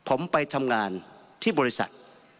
ผมไปทำงานที่บริษัท